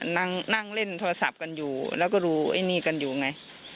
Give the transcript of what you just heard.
นั่งเล่นโทรศัพท์กันอยู่แล้วก็ดูไอ้นี่กันอยู่ไง